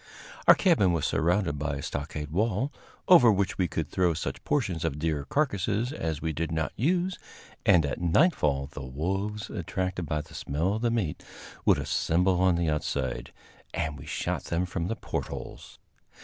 Our cabin was surrounded by a stockade wall, over which we could throw such portions of deer carcasses as we did not use, and at nightfall the wolves, attracted by the smell of the meat, would assemble on the outside, and we shot them from the portholes.